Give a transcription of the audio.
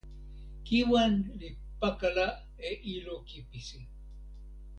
kiwen li pakala e ilo kipisi.